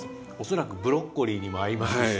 恐らくブロッコリーにも合いますし。